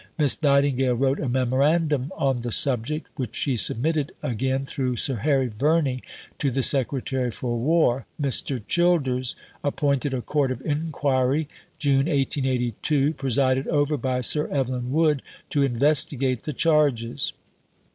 Miss Nightingale wrote a memorandum on the subject, which she submitted, again through Sir Harry Verney, to the Secretary for War. Mr. Childers appointed a Court of Inquiry (June 1882), presided over by Sir Evelyn Wood, to investigate the charges.